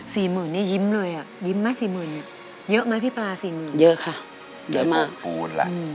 สี่หมื่นนี่ยิ้มเลยอ่ะยิ้มไหมสี่หมื่นเยอะไหมพี่ปลาสี่หมื่นเยอะค่ะเยอะมากอู๊ดล่ะ